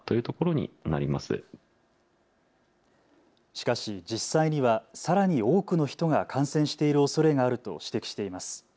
しかし実際にはさらに多くの人が感染しているおそれがあると指摘しています。